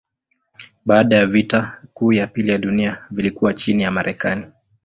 Baada ya vita kuu ya pili ya dunia vilikuwa chini ya Marekani.